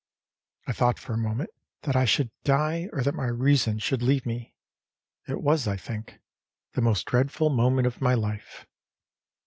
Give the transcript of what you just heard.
I thought for a moment that I should die or that my reason should leave me; it was, I think, the most dreadful moment of my life.